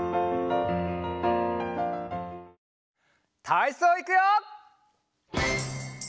たいそういくよ！